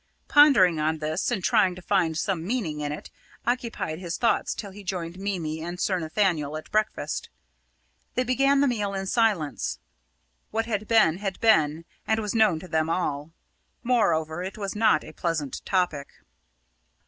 Pondering on this, and trying to find some meaning in it, occupied his thoughts till he joined Mimi and Sir Nathaniel at breakfast. They began the meal in silence. What had been had been, and was known to them all. Moreover, it was not a pleasant topic.